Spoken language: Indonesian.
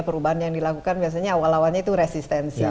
perubahan yang dilakukan biasanya awal awalnya itu resistensi